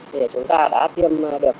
thì chúng ta đã tiêm được